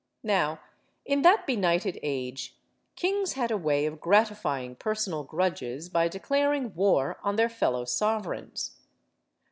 Now, in that benighted age, kings had a way of HELEN OF TROY 65 gratifying persona! grudges by declaring war on their fellow sovereigns.